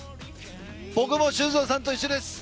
僕も修造さんと一緒です！